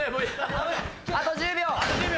あと１０秒！